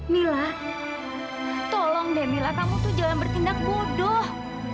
mila tolong deh mila kamu tuh jangan bertindak bodoh